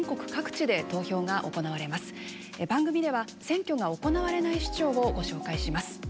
番組では選挙が行われない首長をご紹介します。